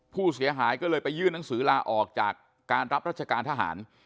ผู้เสียหายก็เลยไปยื่นหนังสือลาออกจากการรับรัชการทหาร